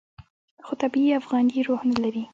خو طبیعي افغاني روح نه لري.